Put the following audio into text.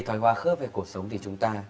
thoải hóa khớp về cuộc sống thì chúng ta